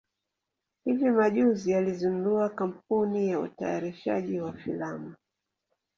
hivi majuzi alizindua kampuni ya utayarishaji wa filamu